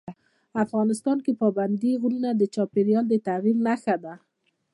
افغانستان کې پابندی غرونه د چاپېریال د تغیر نښه ده.